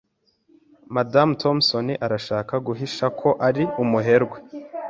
Madamu Thompson arashaka guhisha ko ari umuherwe.